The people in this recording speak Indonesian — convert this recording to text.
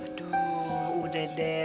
aduh udah deh